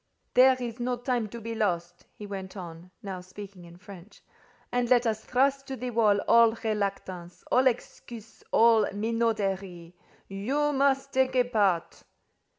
"There is no time to be lost," he went on, now speaking in French; "and let us thrust to the wall all reluctance, all excuses, all minauderies. You must take a part."